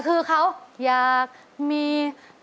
คือเขาอยากมี